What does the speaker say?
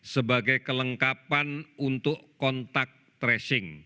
sebagai kelengkapan untuk kontak tracing